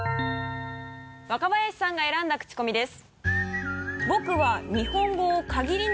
若林さんが選んだクチコミです。